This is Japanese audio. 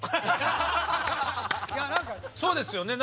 そうですよね。